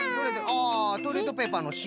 あトイレットペーパーのしん？